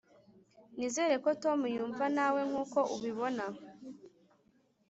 nizere ko tom yumva nawe nkuko ubibona